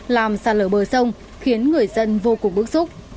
làm sạt lở bờ sông khiến người dân vô cùng bức xúc